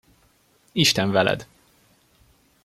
Isten veled!